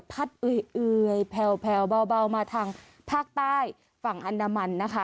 เอ่ยแผ่วเบามาทางภาคใต้ฝั่งอันดามันนะคะ